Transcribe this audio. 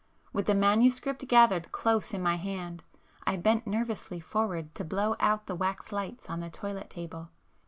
With the manuscript gathered close in my hand, I bent nervously forward to blow out the wax lights on the toilet table